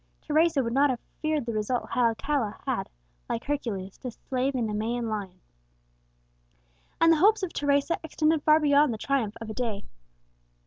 Teresa would not have feared the result had Alcala had, like Hercules, to slay the Nemean lion. And the hopes of Teresa extended far beyond the triumph of a day.